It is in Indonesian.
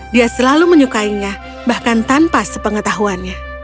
dia selalu menyukainya bahkan tanpa sepengetahuannya